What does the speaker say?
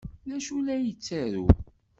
D acu ay la yettaru?